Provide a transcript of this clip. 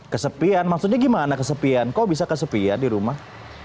kesepian maksudnya gimana kesepian kok bisa kesepian di rumah